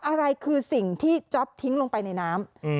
อะไรคือสิ่งที่จ๊อปทิ้งลงไปในน้ำ